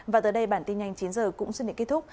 và tới đây bản tin nhanh chín h cũng xin để kết thúc